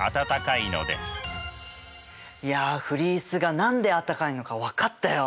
いやフリースが何であったかいのか分かったよ。